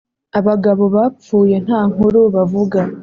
abagabo bapfuye nta nkuru bavuga